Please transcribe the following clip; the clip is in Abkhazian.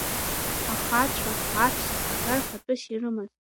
Ахацәа, аҳәса, аҿар фатәыс ирымаз…